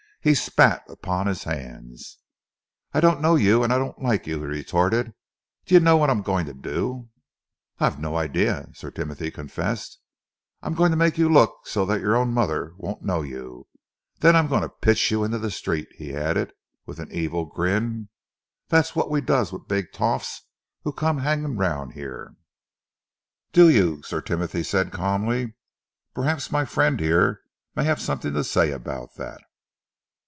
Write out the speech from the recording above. He spat upon his hands. "I dunno you and I don't like you," he retorted. "D'yer know wot I'm going to do?" "I have no idea," Sir Timothy confessed. "I'm going to make you look so that your own mother wouldn't know you then I'm going to pitch you into the street," he added, with an evil grin. "That's wot we does with big toffs who come 'anging around 'ere." "Do you?" Sir Timothy said calmly. "Perhaps my friend may have something to say about that."